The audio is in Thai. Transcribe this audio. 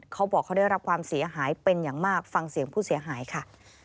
เขาบอกเขาได้รับความเสียหายเป็นอย่างมากฟังเสียงผู้เสียหายค่ะ